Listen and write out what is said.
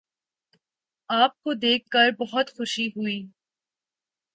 آپ کو دیکھ کر بہت خوشی ہوئی